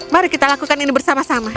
mari kita lakukan ini bersama sama